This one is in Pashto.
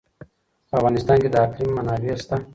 په افغانستان کې د اقلیم منابع شته.